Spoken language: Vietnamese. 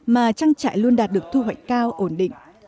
mà trang trại luôn đạt được thu hoạch cao ổn định